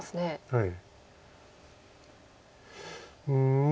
はい。